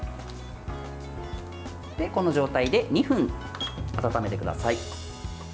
この状態で２分温めてください。